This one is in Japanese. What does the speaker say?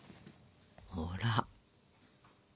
ほら。